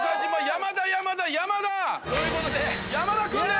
山田山田山田！ということで山田君です！